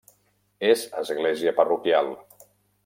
És església parroquial.